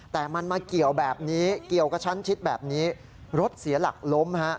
แต่มันมาเกี่ยวแบบนี้เกี่ยวกับชั้นชิดแบบนี้รถเสียหลักล้มฮะ